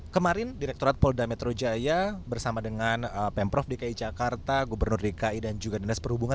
kemarin direkturat polda metro jaya bersama dengan pemprov dki jakarta gubernur dki dan juga dinas perhubungan